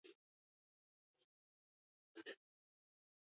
Kanta paperen bidez zabaldutako bertsoak oso modan egon ziren